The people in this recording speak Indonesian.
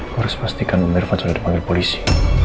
aku harus pastikan um irfan sudah dipanggil polisi